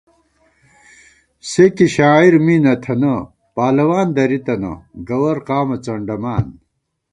سے کی شاعر می نہ تھنہ، پالَوان درِی تَنہ، گوَر قامہ څنڈَمان